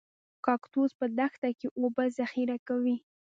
کاکتوس په دښته کې اوبه ذخیره کوي